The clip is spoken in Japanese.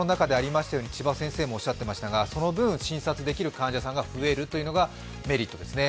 映像にもありましたがその分、診察できる患者さんが増えるというのがメリットですね。